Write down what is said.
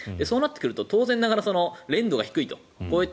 そうなってくると当然ながら練度が低いと。